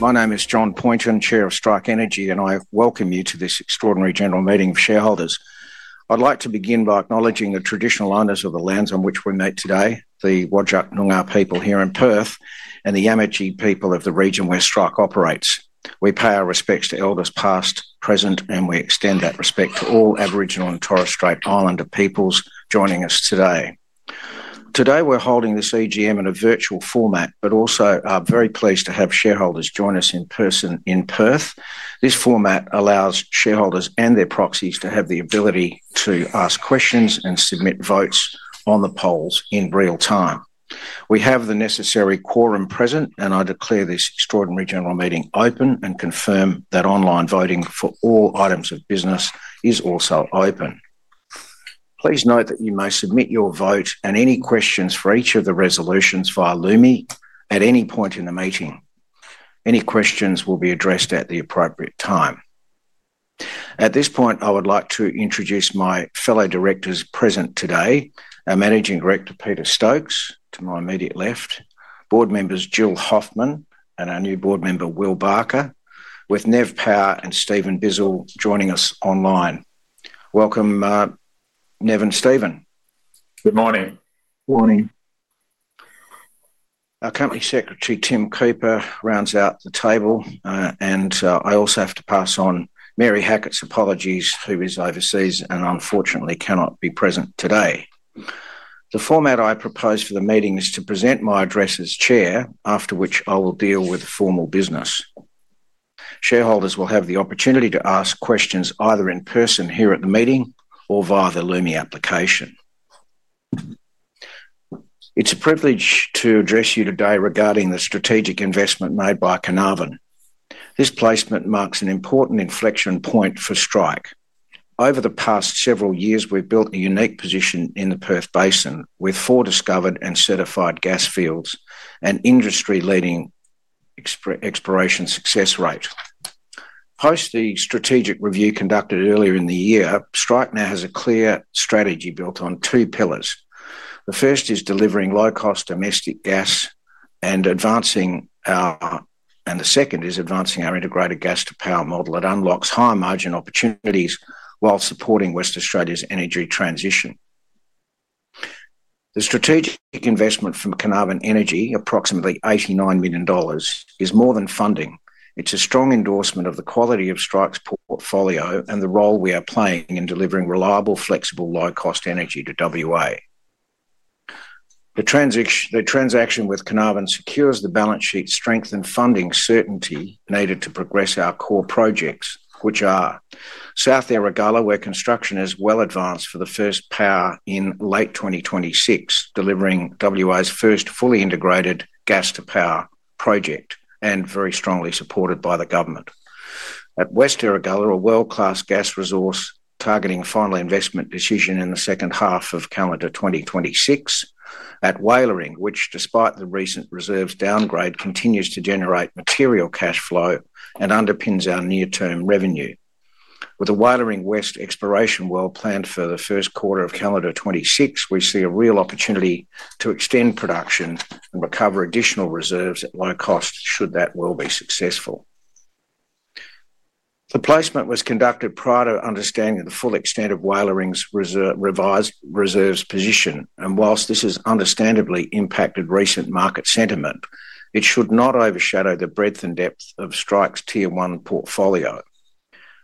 My name is John Poynton, Chair of Strike Energy, and I welcome you to this extraordinary general meeting of shareholders. I'd like to begin by acknowledging the traditional owners of the lands on which we meet today, the Wadjuk Noongar people here in Perth, and the Yamadji people of the region where Strike operates. We pay our respects to elders past, present, and we extend that respect to all Aboriginal and Torres Strait Islander peoples joining us today. Today, we're holding this AGM in a virtual format, but also are very pleased to have shareholders join us in person in Perth. This format allows shareholders and their proxies to have the ability to ask questions and submit votes on the polls in real time. We have the necessary quorum present, and I declare this extraordinary general meeting open and confirm that online voting for all items of business is also open. Please note that you may submit your vote and any questions for each of the resolutions via Lumi at any point in the meeting. Any questions will be addressed at the appropriate time. At this point, I would like to introduce my fellow directors present today, our Managing Director Peter Stokes to my immediate left, Board Members Jill Hoffman, and our new Board Member Will Barker, with Nev Power and Stephen Bizzell joining us online. Welcome, Nev and Stephen. Good morning. Good morning. Our Company Secretary Tim Cooper rounds out the table, and I also have to pass on Mary Hackett's apologies, who is overseas and unfortunately cannot be present today. The format I propose for the meeting is to present my address as Chair, after which I will deal with formal business. Shareholders will have the opportunity to ask questions either in person here at the meeting or via the Lumi application. It's a privilege to address you today regarding the strategic investment made by Carnarvon. This placement marks an important inflection point for Strike Energy. Over the past several years, we've built a unique position in the Perth Basin with four discovered and certified gas fields and an industry-leading exploration success rate. Post the strategic review conducted earlier in the year, Strike Energy now has a clear strategy built on two pillars. The first is delivering low-cost domestic gas and advancing our... The second is advancing our integrated gas-to-power model that unlocks high margin opportunities while supporting Western Australia's energy transition. The strategic investment from Carnarvon Energy, approximately $89 million, is more than funding. It's a strong endorsement of the quality of Strike portfolio and the role we are playing in delivering reliable, flexible, low-cost energy to WA. The transaction with Carnarvon secures the balance sheet strength and funding certainty needed to progress our core projects, which are South Erregulla, where construction is well advanced for the first power in late 2026, delivering WA's first fully integrated gas-to-power project and very strongly supported by the government. At West Erregulla, a world-class gas resource targeting final investment decision in the second half of calendar 2026. At Walyering, which despite the recent reserves downgrade continues to generate material cash flow and underpins our near term revenue. With the Walyering West exploration well planned for the first quarter of calendar 2026, we see a real opportunity to extend production and recover additional reserves at low cost should that well be successful. The placement was conducted prior to understanding the full extent of Walyering's revised reserves position, and whilst this has understandably impacted recent market sentiment, it should not overshadow the breadth and depth of Strike Tier 1 portfolio.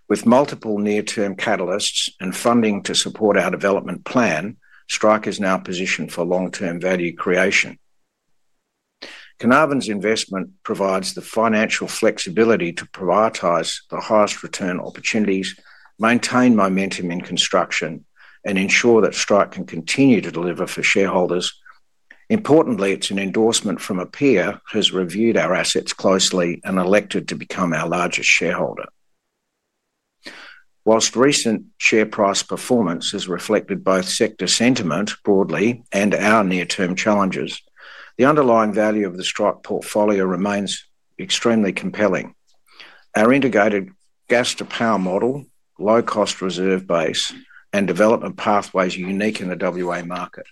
With multiple near-term catalysts and funding to support our development plan, Strike is now positioned for long-term value creation. Carnarvon's investment provides the financial flexibility to prioritize the highest return opportunities, maintain momentum in construction, and ensure that Strike can continue to deliver for shareholders. Importantly, it's an endorsement from a peer who has reviewed our assets closely and elected to become our largest shareholder. Whilst recent share price performance has reflected both sector sentiment broadly and our near term challenges, the underlying value of the Strike portfolio remains extremely compelling. Our integrated gas-to-power model, low-cost reserve base, and development pathways are unique in the WA market.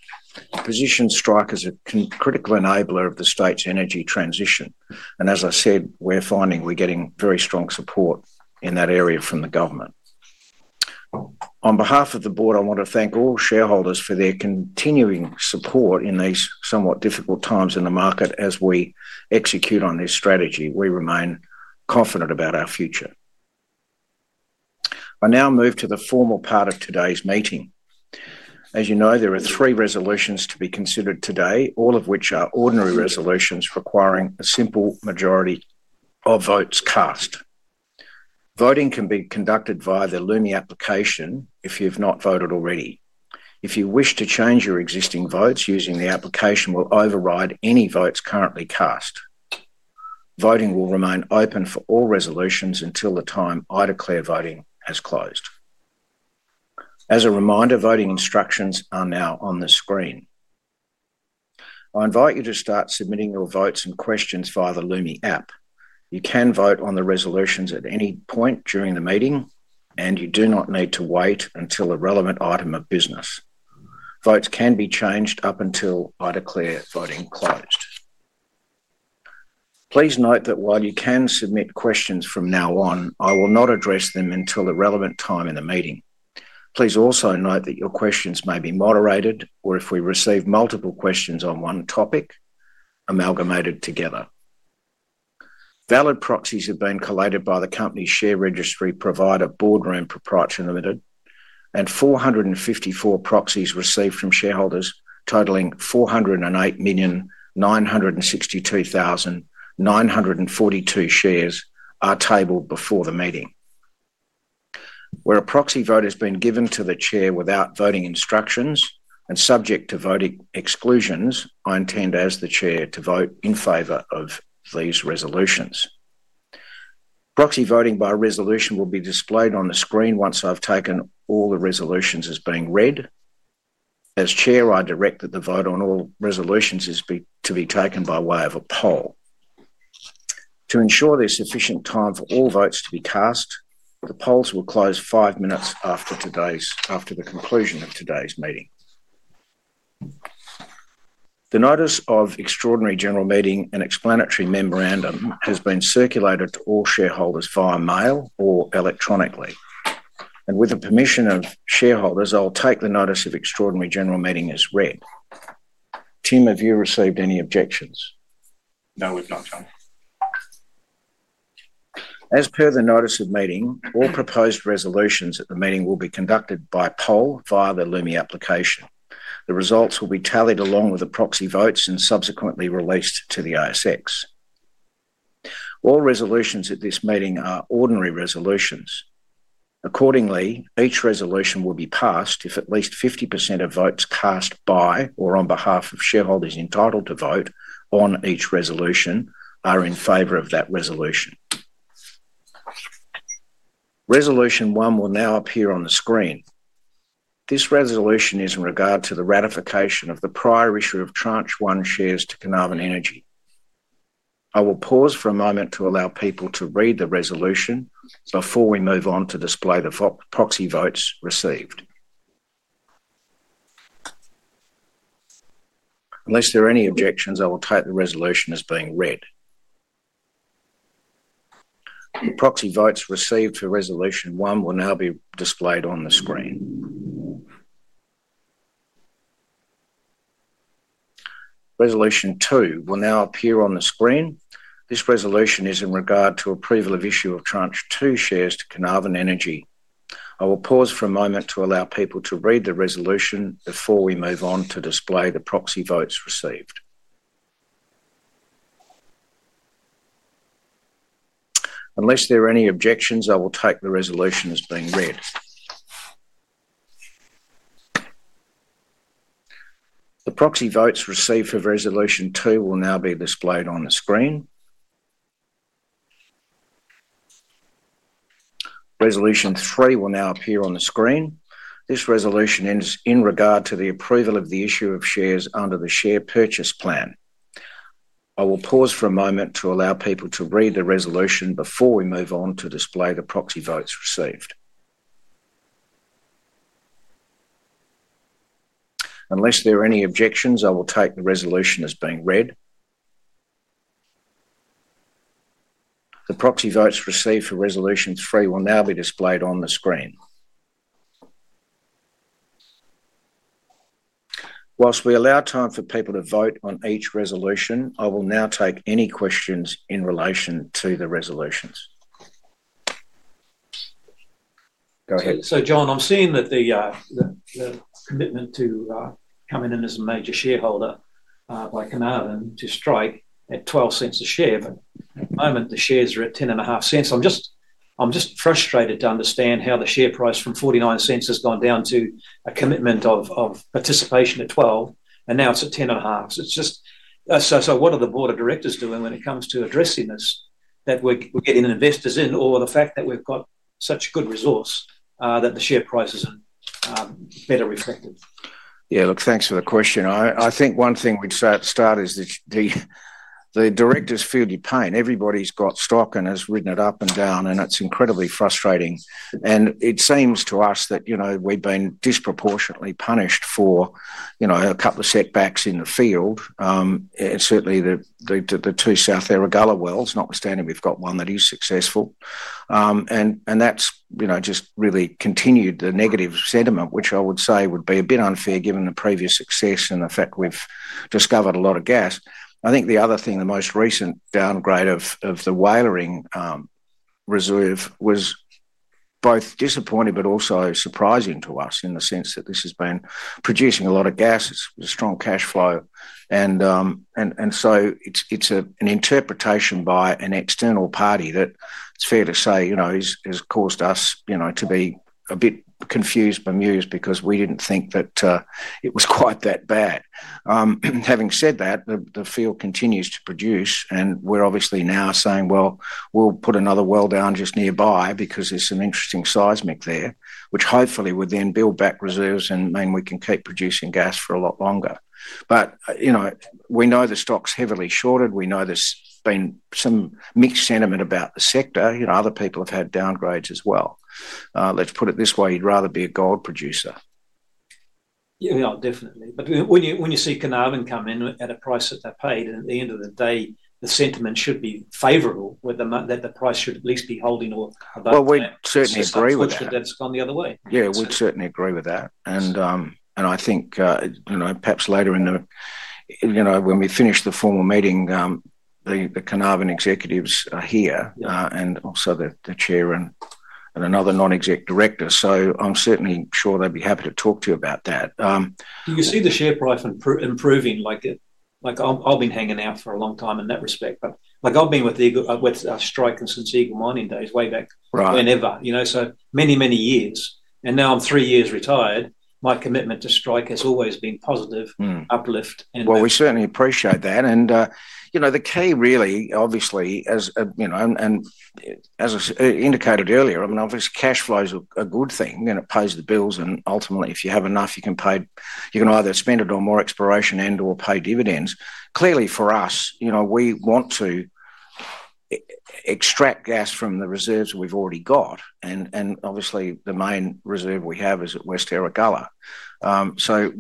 Position Strike as a critical enabler of the state's energy transition, and as I said, we're finding we're getting very strong support in that area from the government. On behalf of the Board, I want to thank all shareholders for their continuing support in these somewhat difficult times in the market. As we execute on this strategy, we remain confident about our future. I now move to the formal part of today's meeting. As you know, there are three resolutions to be considered today, all of which are ordinary resolutions requiring a simple majority of votes cast. Voting can be conducted via the Lumi application if you've not voted already. If you wish to change your existing votes, using the application will override any votes currently cast. Voting will remain open for all resolutions until the time I declare voting has closed. As a reminder, voting instructions are now on the screen. I invite you to start submitting your votes and questions via the Lumi app. You can vote on the resolutions at any point during the meeting, and you do not need to wait until a relevant item of business. Votes can be changed up until I declare voting closed. Please note that while you can submit questions from now on, I will not address them until a relevant time in the meeting. Please also note that your questions may be moderated or if we receive multiple questions on one topic, amalgamated together. Valid proxies have been collated by the company's share registry provider, Boardroom Proprietary Limited, and 454 proxies received from shareholders totaling 408,962,942 shares are tabled before the meeting. Where a proxy vote has been given to the Chair without voting instructions and subject to voting exclusions, I intend as the Chair to vote in favor of these resolutions. Proxy voting by resolution will be displayed on the screen once I've taken all the resolutions as being read. As Chair, I direct that the vote on all resolutions is to be taken by way of a poll. To ensure there's sufficient time for all votes to be cast, the polls will close five minutes after the conclusion of today's meeting. The Notice of Extraordinary General Meeting and Explanatory Memorandum has been circulated to all shareholders via mail or electronically. With the permission of shareholders, I'll take the Notice of Extraordinary General Meeting as read. Team, have you received any objections? No, we've not, no. As per the Notice of Meeting, all proposed resolutions at the meeting will be conducted by poll via the Lumi application. The results will be tallied along with the proxy votes and subsequently released to the ASX. All resolutions at this meeting are ordinary resolutions. Accordingly, each resolution will be passed if at least 50% of votes cast by or on behalf of shareholders entitled to vote on each resolution are in favor of that resolution. Resolution 1 will now appear on the screen. This resolution is in regard to the ratification of the prior issue of Tranche 1 shares to Carnarvon Energy. I will pause for a moment to allow people to read the resolution before we move on to display the proxy votes received. Unless there are any objections, I will take the resolution as being read. The proxy votes received for Resolution 1 will now be displayed on the screen. Resolution 2 will now appear on the screen. This resolution is in regard to approval of issue of Tranche 2 shares to Carnarvon Energy. I will pause for a moment to allow people to read the resolution before we move on to display the proxy votes received. Unless there are any objections, I will take the resolution as being read. The proxy votes received for Resolution 2 will now be displayed on the screen. Resolution 3 will now appear on the screen. This resolution is in regard to the approval of the issue of shares under the Share Purchase Plan. I will pause for a moment to allow people to read the resolution before we move on to display the proxy votes received. Unless there are any objections, I will take the resolution as being read. The proxy votes received for Resolution 3 will now be displayed on the screen. Whilst we allow time for people to vote on each resolution, I will now take any questions in relation to the resolutions. Go ahead. John, I'm seeing that the commitment to coming in as a major shareholder by Carnarvon to Strike at $0.12 a share. At the moment, the shares are at $0.105. I'm just frustrated to understand how the share price from $0.49 has gone down to a commitment of participation at $0.12, and now it's at $0.105. What are the Board of Directors doing when it comes to addressing this, that we're getting investors in, or the fact that we've got such a good resource that the share prices are better reflected? Yeah, look, thanks for the question. I think one thing we'd start is that the Directors feel your pain. Everybody's got stock and has ridden it up and down, and it's incredibly frustrating. It seems to us that we've been disproportionately punished for a couple of setbacks in the field. Certainly, the two South Erregulla wells, notwithstanding we've got one that is successful. That's just really continued the negative sentiment, which I would say would be a bit unfair given the previous success and the fact we've discovered a lot of gas. I think the other thing, the most recent downgrade of the Walyering reserve was both disappointing but also surprising to us in the sense that this has been producing a lot of gas, a strong cash flow. It's an interpretation by an external party that, it's fair to say, has caused us to be a bit confused, amused, because we didn't think that it was quite that bad. Having said that, the field continues to produce, and we're obviously now saying we'll put another well down just nearby because there's an interesting seismic there, which hopefully would then build back reserves and mean we can keep producing gas for a lot longer. We know the stock's heavily shorted. We know there's been some mixed sentiment about the sector. Other people have had downgrades as well. Let's put it this way, you'd rather be a gold producer. Yeah, definitely. When you see Carnarvon come in at a price that they've paid, at the end of the day, the sentiment should be favorable, that the price should at least be holding above the price that's gone the other way. Yeah, we'd certainly agree with that. I think, perhaps later in the, you know, when we finish the formal meeting, the Carnarvon executives are here, and also the Chair and another non-exec director. I'm certainly sure they'd be happy to talk to you about that. Do you see the share price improving? I've been hanging out for a long time in that respect, but I've been with Strike and since Eagle Mining days way back whenever, you know, so many, many years. Now I'm three years retired. My commitment to Strike has always been positive, uplift. We certainly appreciate that. You know, the key really, obviously, as you know, and as I indicated earlier, obviously cash flow is a good thing. It pays the bills, and ultimately, if you have enough, you can pay, you can either spend it on more exploration and/or pay dividends. Clearly for us, you know, we want to extract gas from the reserves we've already got. Obviously, the main reserve we have is at West Erregulla.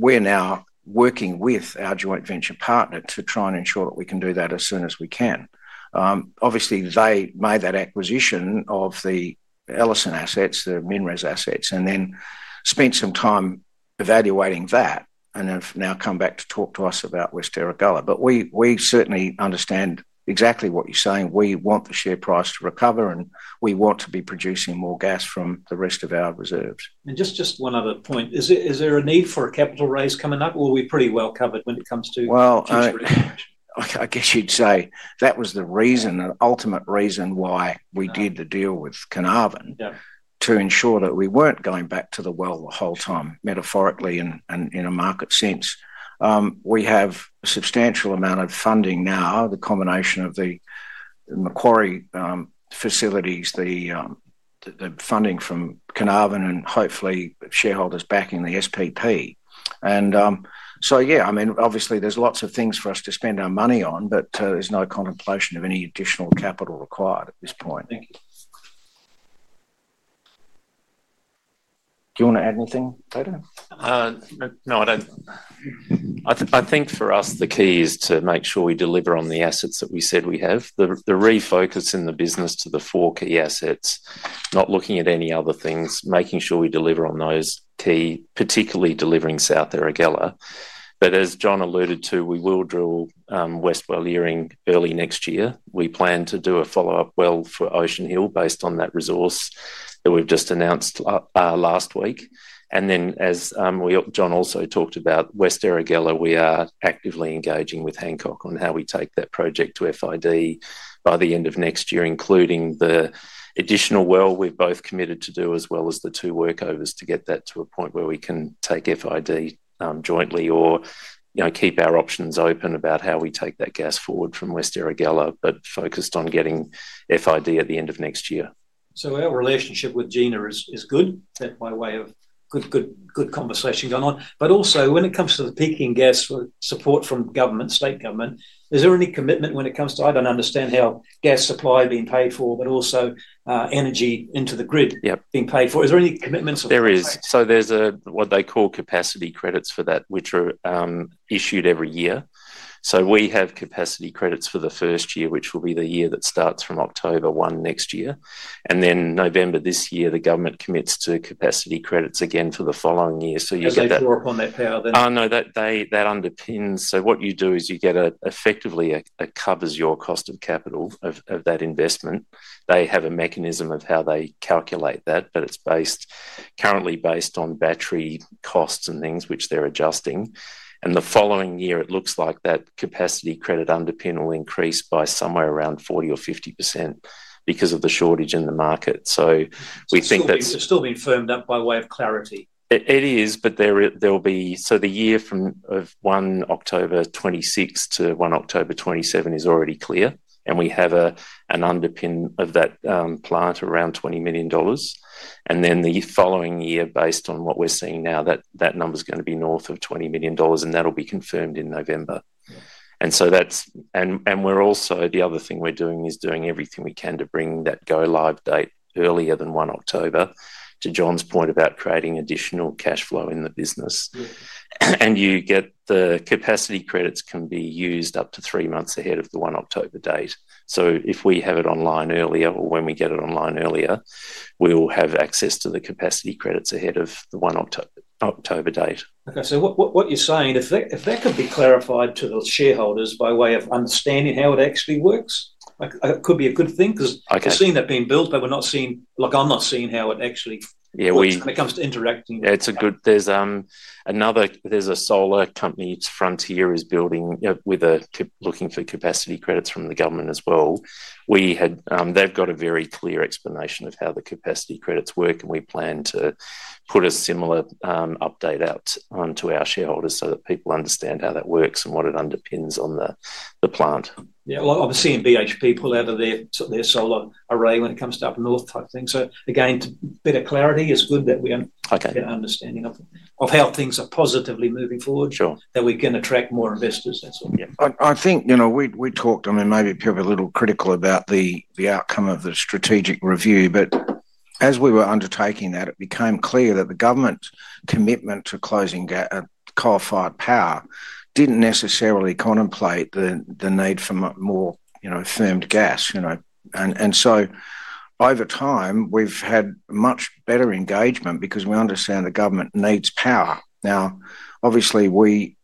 We are now working with our joint venture partner to try and ensure that we can do that as soon as we can. They made that acquisition of the Ellison assets, the MinRes assets, and then spent some time evaluating that and have now come back to talk to us about West Erregulla. We certainly understand exactly what you're saying. We want the share price to recover, and we want to be producing more gas from the rest of our reserves. Is there a need for a capital raise coming up, or are we pretty well covered when it comes to? That was the reason, the ultimate reason why we did the deal with Carnarvon, to ensure that we weren't going back to the well the whole time, metaphorically and in a market sense. We have a substantial amount of funding now, the combination of the Macquarie facilities, the funding from Carnarvon, and hopefully shareholders backing the SPP. Obviously there's lots of things for us to spend our money on, but there's no contemplation of any additional capital required at this point. Do you want to add anything, Peter? No, I don't. I think for us, the key is to make sure we deliver on the assets that we said we have. The refocus in the business to the four key assets, not looking at any other things, making sure we deliver on those key, particularly delivering South Erregulla. As John alluded to, we will drill West Walyering early next year. We plan to do a follow-up well for Ocean Hill based on that resource that we've just announced last week. As John also talked about, West Erregulla, we are actively engaging with Hancock on how we take that project to FID by the end of next year, including the additional well we've both committed to do, as well as the two workovers to get that to a point where we can take FID jointly or keep our options open about how we take that gas forward from West Erregulla, focused on getting FID at the end of next year. Our relationship with Gina is good, that by way of a good conversation going on. When it comes to the peaking gas support from government, state government, is there any commitment when it comes to, I don't understand how gas supply being paid for, but also energy into the grid being paid for. Is there any commitments? There is what they call capacity credits for that, which are issued every year. We have capacity credits for the first year, which will be the year that starts from October 1 next year. In November this year, the government commits to capacity credits again for the following year. You get that fork on that power then? No, that underpins. What you do is you get effectively a covers your cost of capital of that investment. They have a mechanism of how they calculate that, but it's currently based on battery costs and things which they're adjusting. The following year, it looks like that capacity credit underpin will increase by somewhere around 40% or 50% because of the shortage in the market. Things are still being firmed up by way of clarity? It is, but there will be, so the year from 1 October 2026 to 1 October 2027 is already clear. We have an underpin of that plant around $20 million. The following year, based on what we're seeing now, that number is going to be north of $20 million, and that'll be confirmed in November. We're also, the other thing we're doing is everything we can to bring that go live date earlier than 1 October, to John's point about creating additional cash flow in the business. You get the capacity credits can be used up to three months ahead of the 1 October date. If we have it online earlier, or when we get it online earlier, we will have access to the capacity credits ahead of the 1 October date. If that could be clarified to the shareholders by way of understanding how it actually works, it could be a good thing because we're seeing that being built, but we're not seeing, like I'm not seeing how it actually, yeah, when it comes to interacting. Yeah, there's another, there's a solar company, Frontier, is building, with a looking for capacity credits from the government as well. They've got a very clear explanation of how the capacity credits work, and we plan to put a similar update out to our shareholders so that people understand how that works and what it underpins on the plant. I'm seeing BHP pull out of their solar array when it comes to up north type things. Better clarity is good that we're getting an understanding of how things are positively moving forward, that we can attract more investors. I think we talked, maybe people are a little critical about the outcome of the strategic review, but as we were undertaking that, it became clear that the government's commitment to closing coal-fired power didn't necessarily contemplate the need for more firmed gas. Over time, we've had much better engagement because we understand the government needs power. Obviously, we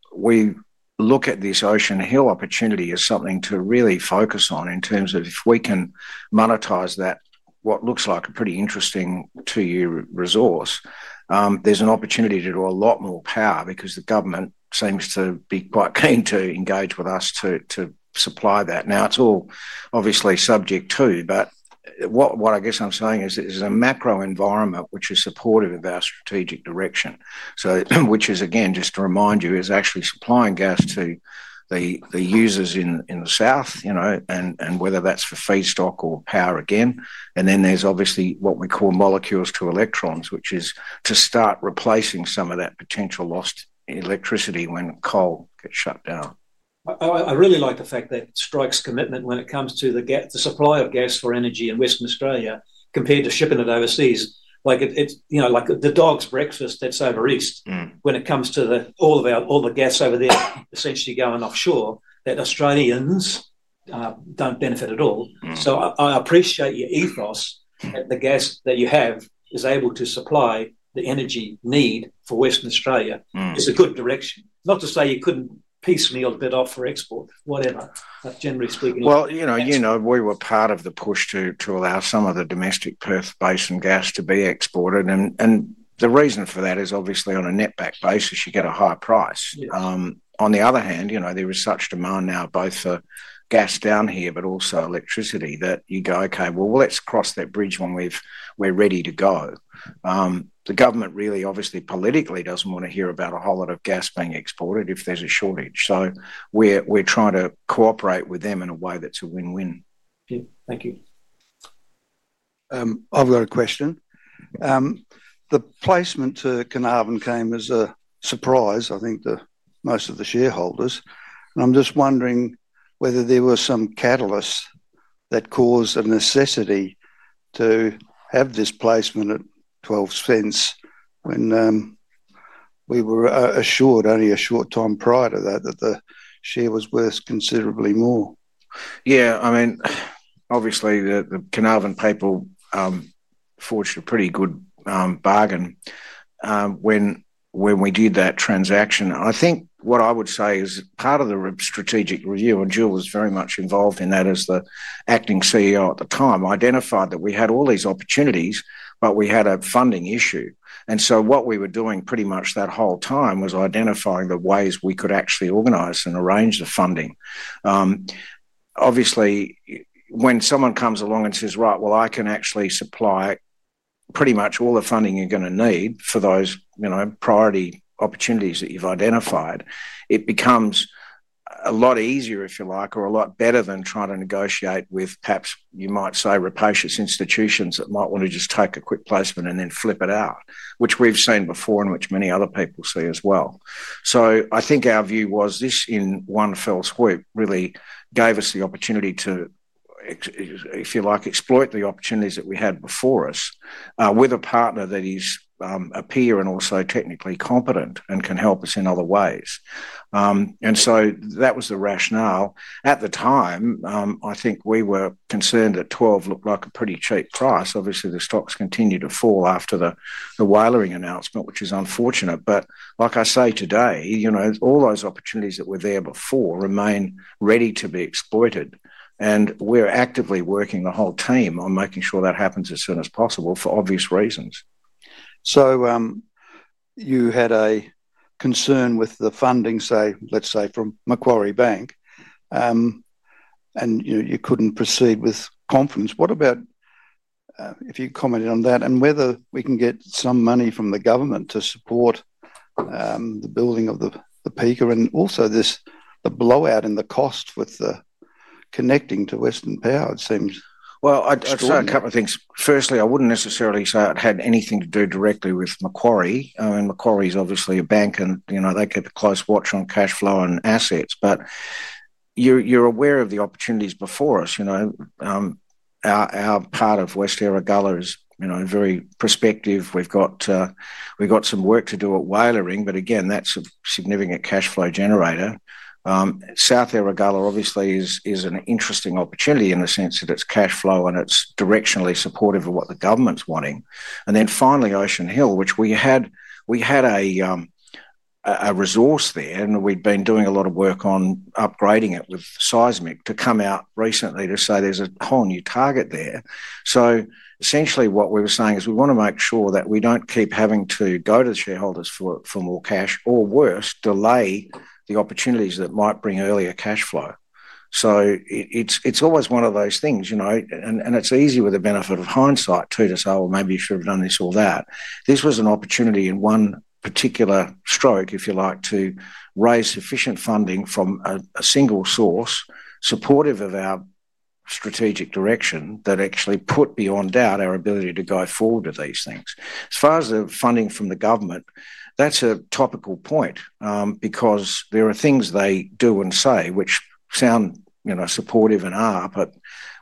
look at this Ocean Hill opportunity as something to really focus on in terms of if we can monetize that, what looks like a pretty interesting two-year resource, there's an opportunity to do a lot more power because the government seems to be quite keen to engage with us to supply that. It's all obviously subject to, but what I guess I'm saying is there's a macro environment which is supportive of our strategic direction, which is again, just to remind you, is actually supplying gas to the users in the south, and whether that's for feedstock or power again. There's obviously what we call molecules to electrons, which is to start replacing some of that potential lost electricity when coal gets shut down. Oh, I really like the fact that Strike commitment when it comes to the supply of gas for energy in Western Australia compared to shipping it overseas. It's, you know, like the dog's breakfast that's over east when it comes to all of our, all the gas over there essentially going offshore that Australians don't benefit at all. I appreciate your ethos. The gas that you have is able to supply the energy need for Western Australia. It's a good direction. Not to say you couldn't piecemeal a bit off for export, whatever. Generally speaking. We were part of the push to allow some of the domestic Perth Basin gas to be exported. The reason for that is obviously on a netback basis, you get a high price. On the other hand, there is such demand now both for gas down here, but also electricity that you go, okay, let's cross that bridge when we're ready to go. The government really obviously politically doesn't want to hear about a whole lot of gas being exported if there's a shortage. We're trying to cooperate with them in a way that's a win-win. Yeah, thank you. I've got a question. The placement to Carnarvon came as a surprise, I think, to most of the shareholders. I'm just wondering whether there were some catalysts that caused a necessity to have this placement at $0.12 when we were assured only a short time prior to that that the share was worth considerably more. Yeah, I mean, obviously the Carnarvon people forged a pretty good bargain when we did that transaction. I think what I would say is part of the strategic review, and Jill was very much involved in that as the Acting CEO at the time, identified that we had all these opportunities, but we had a funding issue. What we were doing pretty much that whole time was identifying the ways we could actually organize and arrange the funding. Obviously, when someone comes along and says, Right, I can actually supply pretty much all the funding you're going to need for those priority opportunities that you've identified, it becomes a lot easier, if you like, or a lot better than trying to negotiate with, perhaps, you might say, rapacious institutions that might want to just take a quick placement and then flip it out, which we've seen before and which many other people see as well. I think our view was this in one fell swoop really gave us the opportunity to, if you like, exploit the opportunities that we had before us with a partner that is a peer and also technically competent and can help us in other ways. That was the rationale. At the time, I think we were concerned that $0.12 looked like a pretty cheap price. Obviously, the stock's continued to fall after the Walyering announcement, which is unfortunate. Like I say today, all those opportunities that were there before remain ready to be exploited. We're actively working, the whole team, on making sure that happens as soon as possible for obvious reasons. You had a concern with the funding, say, let's say from Macquarie Bank, and you couldn't proceed with confidence. What about, if you commented on that, and whether we can get some money from the government to support the building of the peaker and also this blowout in the cost with the connecting to Western Power? I'd say a couple of things. Firstly, I wouldn't necessarily say it had anything to do directly with Macquarie Bank. Macquarie Bank is obviously a bank, and you know, they keep a close watch on cash flow and assets. You're aware of the opportunities before us. Our part of West Erregulla is very prospective. We've got some work to do at Walyering, but again, that's a significant cash flow generator. South Erregulla obviously is an interesting opportunity in the sense that it's cash flow and it's directionally supportive of what the government's wanting. Finally, Ocean Hill, which we had a resource there, and we'd been doing a lot of work on upgrading it with seismic to come out recently to say there's a whole new target there. Essentially, what we were saying is we want to make sure that we don't keep having to go to the shareholders for more cash or, worse, delay the opportunities that might bring earlier cash flow. It's always one of those things, you know, and it's easy with the benefit of hindsight too to say, maybe if you'd done this or that. This was an opportunity in one particular stroke, if you like, to raise sufficient funding from a single source supportive of our strategic direction that actually put beyond doubt our ability to go forward with these things. As far as the funding from the government, that's a topical point because there are things they do and say which sound, you know, supportive and are, but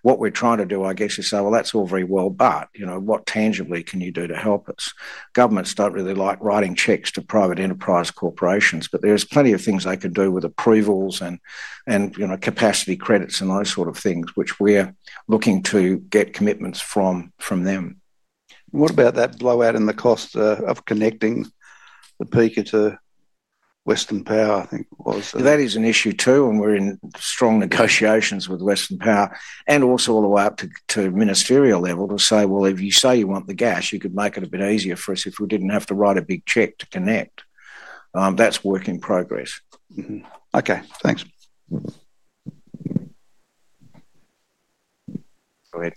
what we're trying to do, I guess, is say, that's all very well, but you know, what tangibly can you do to help us? Governments don't really like writing checks to private enterprise corporations, but there are plenty of things they could do with approvals and, you know, capacity credits and those sort of things, which we're looking to get commitments from them. What about that blowout in the cost of connecting the peaker to Western Power? That is an issue too, and we're in strong negotiations with Western Power and also all the way up to ministerial level to say, if you say you want the gas, you could make it a bit easier for us if we didn't have to write a big check to connect. That's work in progress. Okay, thanks. Go ahead.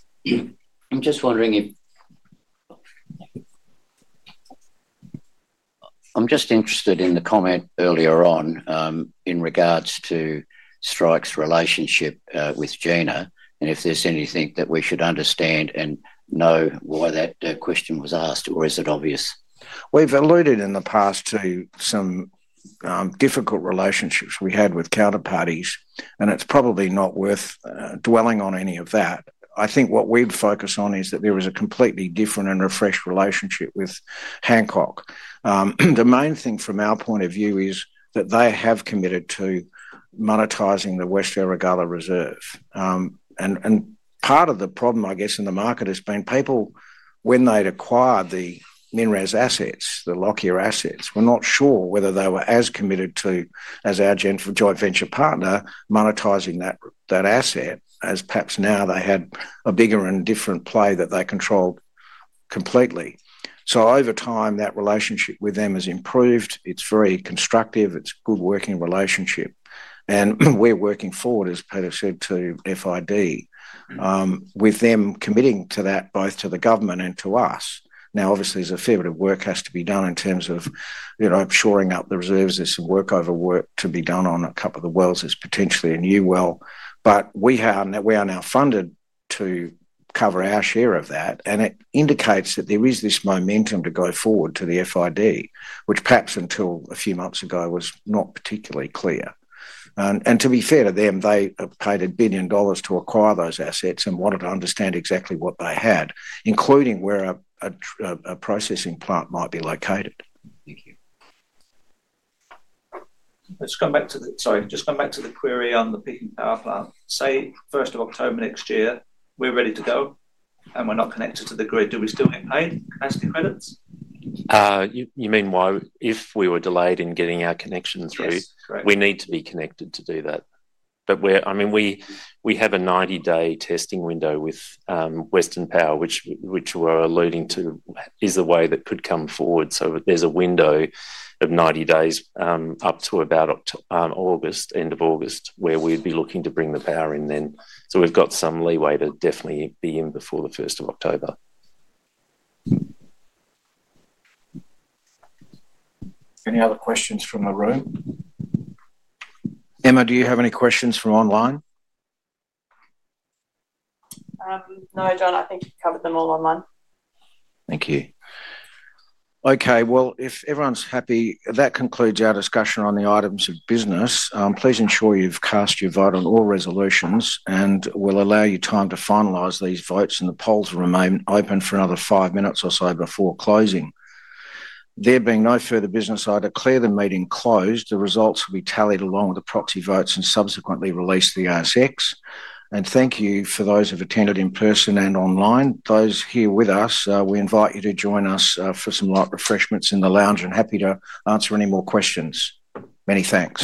I'm just interested in the comment earlier on in regards to Strike's relationship with Gina and if there's anything that we should understand and know why that question was asked or is it obvious? We've alluded in the past to some difficult relationships we had with counterparties, and it's probably not worth dwelling on any of that. I think what we'd focus on is that there was a completely different and refreshed relationship with Hancock. The main thing from our point of view is that they have committed to monetizing the West Erregulla reserve. Part of the problem, I guess, in the market has been people, when they'd acquired the MinRes assets, the Lockyer assets, were not sure whether they were as committed to, as our joint venture partner, monetizing that asset as perhaps now they had a bigger and different play that they controlled completely. Over time, that relationship with them has improved. It's very constructive. It's a good working relationship. We're working forward, as I said, to FID with them committing to that both to the government and to us. Obviously, there's a fair bit of work that has to be done in terms of shoring up the reserves. There's some workover work to be done on a couple of the wells. There's potentially a new well, but we are now funded to cover our share of that. It indicates that there is this momentum to go forward to the FID, which perhaps until a few months ago was not particularly clear. To be fair to them, they paid $1 billion to acquire those assets and wanted to understand exactly what they had, including where a processing plant might be located. Let's come back to the query on the peaking power plant. Say, 1st of October next year, we're ready to go and we're not connected to the grid. Do we still get paid capacity credits? You mean why if we were delayed in getting our connection through, we need to be connected to do that. We have a 90-day testing window with Western Power, which we're alluding to as a way that could come forward. There's a window of 90 days up to about August, end of August, where we'd be looking to bring the power in then. We've got some leeway to definitely be in before the 1st of October. Any other questions from the room? Emma, do you have any questions from online? No, John, I think you've covered them all online. Thank you. Okay, if everyone's happy, that concludes our discussion on the items of business. Please ensure you've cast your vote on all resolutions. We'll allow you time to finalize these votes and the polls will remain open for another five minutes or so before closing. There being no further business, I declare the meeting closed. The results will be tallied along with the proxy votes and subsequently released to the ASX. Thank you for those who have attended in person and online. Those here with us, we invite you to join us for some light refreshments in the lounge and are happy to answer any more questions. Many thanks.